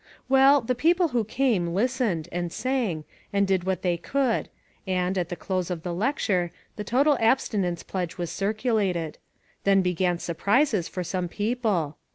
Well, the people who came, listened, and sang, and did what they could, and, at the close of the lecture, the total abstinence pledge was circulated. Then began surprises for some people.